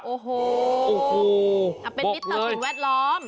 โอ้โหเป็นมิตรต่อสิ่งแวดล้อม